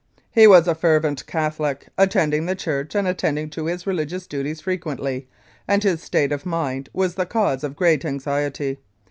He was a fervent Catholic, attending the church and attending to his religious duties frequently, and :his state of mind was the cause of great anxiety.